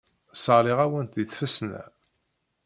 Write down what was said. Sseɣliɣ-awent deg tfesna.